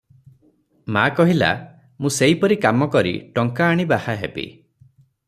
ମା କହିଲା, ମୁଁ ସେଇପରି କାମ କରି ଟଙ୍କା ଆଣି ବାହା ହେବି ।